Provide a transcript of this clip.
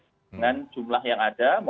dengan jumlah yang ada